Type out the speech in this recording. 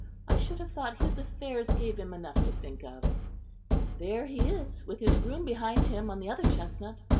I should have thought his affairs gave him enough to think of.... There he is, with his groom behind him, on the other chestnut.